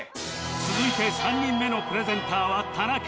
続いて３人目のプレゼンターは田中